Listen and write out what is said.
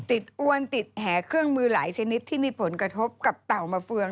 อ้วนติดแห่เครื่องมือหลายชนิดที่มีผลกระทบกับเต่ามาเฟือง